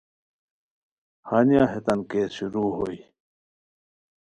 ہنیہ ہیتان کیس شروع ہوئے